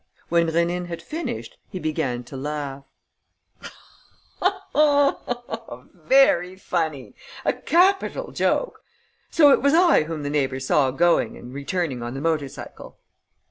When Rénine had finished, he began to laugh: "Very funny!... A capital joke!... So it was I whom the neighbours saw going and returning on the motor cycle?"